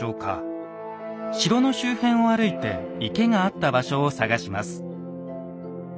城の周辺を歩いて池があった場所を探します。